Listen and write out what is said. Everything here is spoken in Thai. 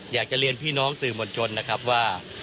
อยากจะเรียนพี่น้องสื่อมวลชนนะครับว่า